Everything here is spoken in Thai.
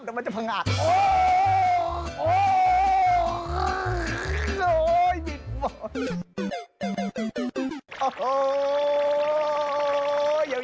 เดี๋ยวมันจะพลังอาจ